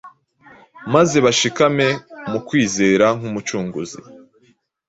maze bashikame mu kumwizera nk’Umucunguzi.